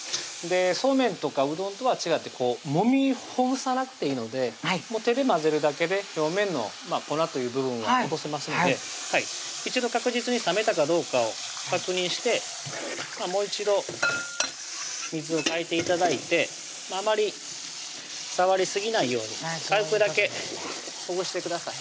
そうめんとかうどんとは違ってもみほぐさなくていいので手で混ぜるだけで表面の粉という部分は落とせますので一度確実に冷めたかどうかを確認してもう一度水を替えて頂いてあまり触りすぎないように軽くだけほぐしてください